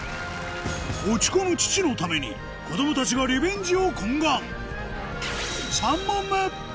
落ち込む父のために子供たちがリベンジを懇願